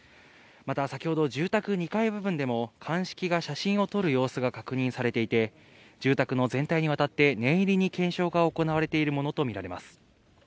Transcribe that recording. また先ほど住宅２階部分でも、鑑識が写真を撮る様子が確認されていて、住宅の全体にわたって、念入りに検証が行われているものと見られます。